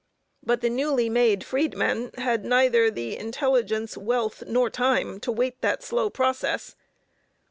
But the newly made freedmen had neither the intelligence, wealth nor time to wait that slow process.